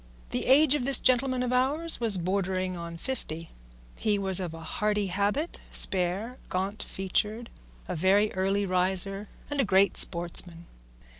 The age of this gentleman of ours was bordering on fifty; he was of a hardy habit, spare, gaunt featured, a very early riser and a great sportsman.